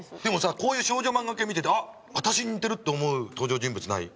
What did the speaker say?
少女漫画系見てて私に似てる！って思う登場人物ない？